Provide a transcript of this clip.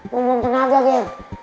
buang buang ternaga gen